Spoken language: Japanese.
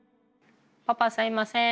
パパすいません。